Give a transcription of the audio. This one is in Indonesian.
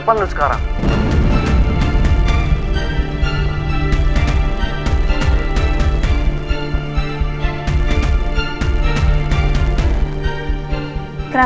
bener jugak lo lu